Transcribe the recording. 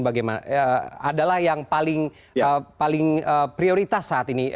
bagaimana adalah yang paling prioritas saat ini